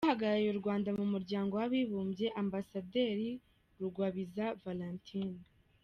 Uhagarariye u Rwanda mu Muryango w’Abibumbye: Ambasaderi Rugwabiza Valentine.